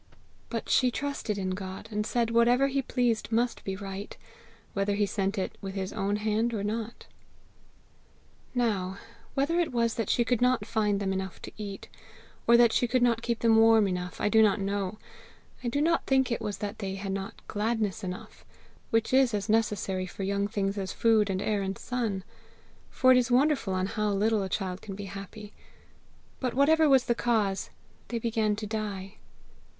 But she trusted in God, and said whatever he pleased must be right, whether he sent it with his own hand or not. "Now, whether it was that she could not find them enough to eat, or that she could not keep them warm enough, I do not know; I do not think it was that they had not gladness enough, which is as necessary for young things as food and air and sun, for it is wonderful on how little a child can be happy; but whatever was the cause, they began to die.